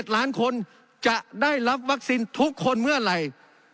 ๗ล้านคนจะได้รับวัคซีนทุกคนเมื่อไหร่